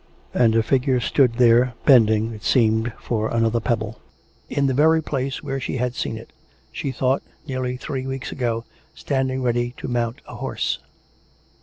And a figure stood there, bending, it seemed, for another pebble; in the very place where she had seen it, she thought, nearly three weeks ago, standing ready to mount a horse.